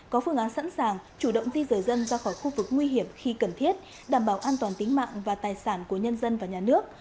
có phương án sẵn sàng chủ động di rời dân ra khỏi khu vực nguy hiểm khi cần thiết đảm bảo an toàn tính mạng và tài sản của nhân dân và nhà nước